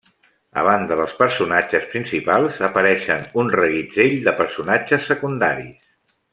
A banda dels personatges principals apareixen un reguitzell de personatges secundaris.